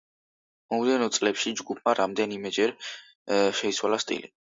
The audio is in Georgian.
მომდევნო წლებში ჯგუფმა რამდენიმეჯერ შეიცვალა სტილი.